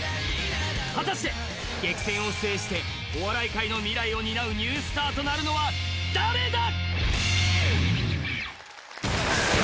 果たして、激戦を制してお笑い界の未来を担うニュースターとなるのは誰だ。